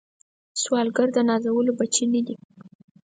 سوالګر د نازولو بچي نه وي